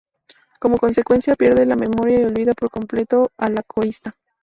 Como consecuencia, pierde la memoria y olvida por completo a la corista.